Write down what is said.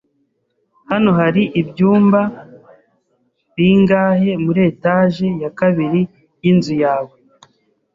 Hano hari ibyumba bingahe muri etage ya kabiri yinzu yawe?